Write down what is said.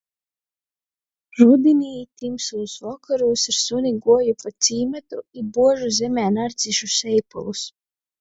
Rudinī tymsūs vokorūs ar suni guoju pa cīmatu i buožu zemē narcišu seipulus.